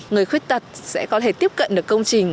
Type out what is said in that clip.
người khuyết tật sẽ có thể tiếp cận được công trình